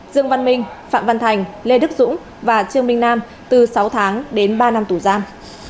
dương văn minh phạm văn thành lê đức dũng và trương minh nam từ sáu tháng đến ba năm tù giam